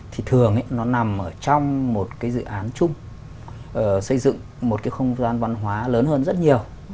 thì thường ấy nó nằm ở trong một cái dự án chung xây dựng một cái không gian văn hóa lớn hơn rất nhiều